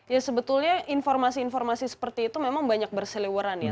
ya sebetulnya informasi informasi seperti itu memang banyak berseliweran ya